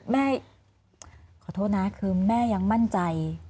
แม่ขอโทษนะคือแม่ยังมั่นใจ